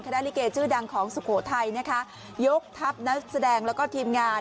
ลิเกชื่อดังของสุโขทัยนะคะยกทัพนักแสดงแล้วก็ทีมงาน